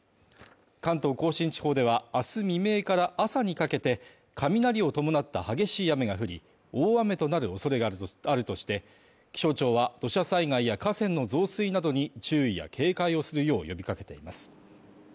関東甲信地方ではあす未明から朝にかけて、雷を伴った激しい雨が降り大雨となるおそれがあるとして気象庁は、土砂災害や河川の増水などに注意や警戒をするよう呼びかけています。